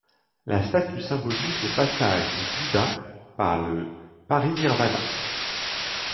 La statue symbolise le passage du Bouddha au parinirvāna.